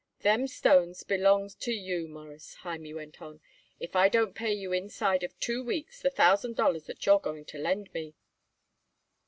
"Them stones belong to you, Mawruss," Hymie went on, "if I don't pay you inside of two weeks the thousand dollars what you're going to lend me."